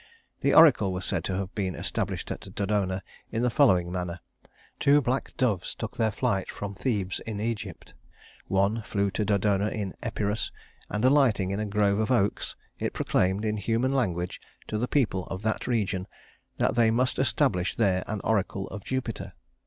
The oracle was said to have been established at Dodona in the following manner: two black doves took their flight from Thebes in Egypt. One flew to Dodona in Epirus; and alighting in a grove of oaks, it proclaimed, in human language, to the people of that region, that they must establish there an oracle of Jupiter.